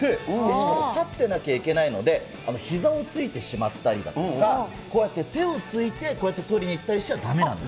しかも、立ってなきゃいけないので、ひざをついてしまったりだとか、こうやって手をついて、こうやって取りに行ったりしちゃだめなんです。